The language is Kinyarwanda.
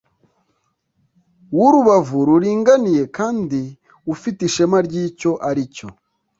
w’urubavu ruringaniye kandi ufite ishema ry’ icyo aricyo